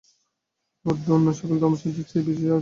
বুদ্ধ অন্য সকল ধর্মাচার্যের চেয়ে বেশী সাহসী ও অকপট ছিলেন।